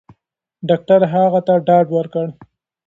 ډاکټر هغه ته ډاډ ورکړ.